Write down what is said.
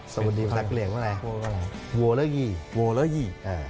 สวัสดีภาษากรรเวรรี่อะไร